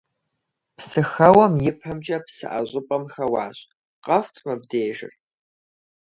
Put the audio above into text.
Псыхэуэм и пэмкӀэ псыӀэ щӀыпӀэм хэуащ: «КъэфтӀ мыбдежыр.».